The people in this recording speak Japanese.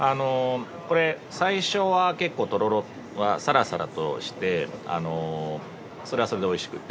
これ最初は結構とろろはサラサラとしてそれはそれでおいしくて。